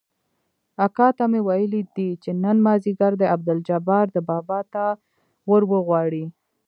اکا ته مې ويلي دي چې نن مازديګر دې عبدالجبار ده بابا ته وروغواړي.